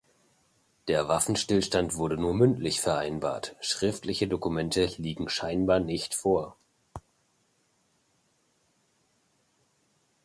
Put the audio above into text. Der Waffenstillstand wurde nur mündlich vereinbart, schriftliche Dokumente liegen scheinbar nicht vor.